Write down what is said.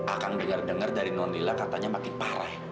ad dengar dengar dari ad katanya makin parah